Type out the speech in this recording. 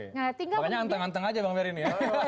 makanya anteng anteng aja bang mer ini ya